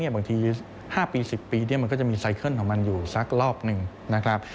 บางที๕ปี๑๐ปีมันก็จะมีไซเคิลของมันอยู่สักรอบหนึ่งนะครับ